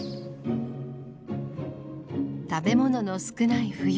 食べ物の少ない冬。